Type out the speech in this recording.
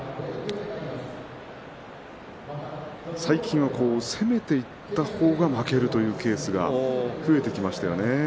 最近は攻めていった方が負けるというケースが増えてきましたよね。